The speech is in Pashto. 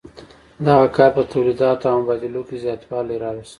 دغه کار په تولیداتو او مبادلو کې زیاتوالی راوست.